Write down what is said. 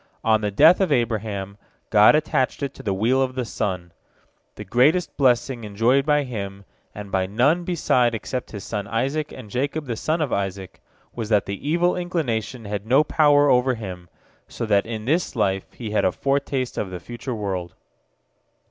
On the death of Abraham, God attached it to the wheel of the sun. The greatest blessing enjoyed by him, and by none beside except his son Isaac and Jacob the son of Isaac, was that the evil inclination had no power over him, so that in this life he had a foretaste of the future world.